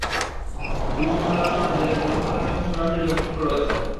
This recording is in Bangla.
পুলিশও সাধারণ মানুষ যাদের জনসাধারণের সাথে সরাসরি যোগসূত্র আছে।